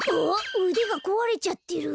うでがこわれちゃってる。